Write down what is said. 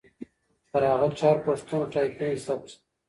تر هغه چي هر پښتون ټایپنګ زده کړي.